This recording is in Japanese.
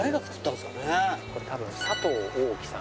これ多分佐藤オオキさん。